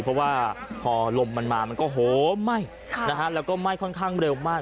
เพราะว่าพอลมมันมามันก็โหมไหม้แล้วก็ไหม้ค่อนข้างเร็วมาก